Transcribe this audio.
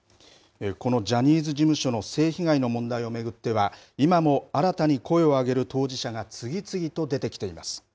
このジャニーズ事務所の性被害の問題を巡っては、今も新たに声を上げる当事者が次々と出てきています。